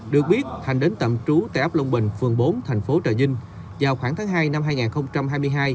được biết thành đến tạm trú tại ấp lông bình phường bốn thành phố trà vinh vào khoảng tháng hai năm hai nghìn hai mươi hai